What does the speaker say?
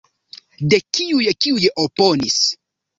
De tiuj, kiuj oponis.